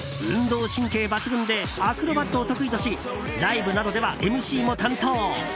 運動神経抜群でアクロバットを得意としライブなどではＭＣも担当。